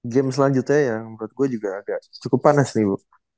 game selanjutnya yang menurut gue juga agak cukup panas nih bu